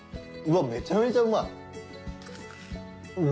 うわめちゃめちゃうまい。